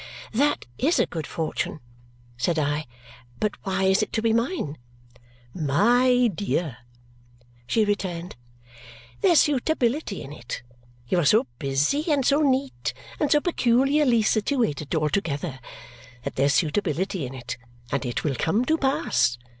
"That is a good fortune," said I. "But why is it to be mine?" "My dear," she returned, "there's suitability in it you are so busy, and so neat, and so peculiarly situated altogether that there's suitability in it, and it will come to pass.